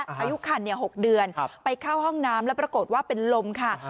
อายุคัน๖เดือนไปเข้าห้องน้ำแล้วปรากฏว่าเป็นลมค่ะ